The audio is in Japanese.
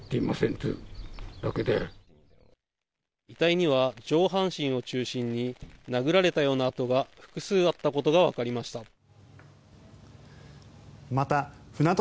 遺体には上半身を中心に殴られたような痕が複数あったことがわかりました。